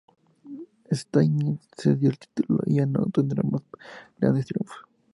Steinitz cedió el título y ya no obtendría más grandes triunfos.